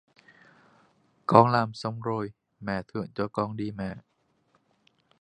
Con làm xong rồi mẹ thưởng cho con đi mẹ